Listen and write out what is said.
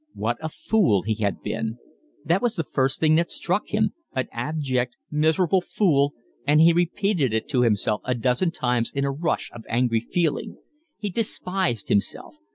What a fool he had been! That was the first thing that struck him, an abject, miserable fool, and he repeated it to himself a dozen times in a rush of angry feeling. He despised himself.